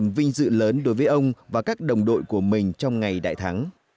vinh dự lớn đối với ông và các đồng đội của mình trong ngày đại thắng